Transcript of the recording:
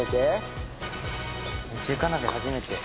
中華鍋初めて。